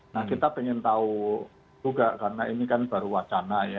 nah kita ingin tahu juga karena ini kan baru wacana ya